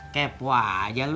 kepua aja lu